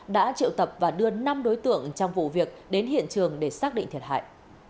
đã triệu tập và đưa năm đối tượng trong vụ việc đến hiện trường để xác định thiệt hại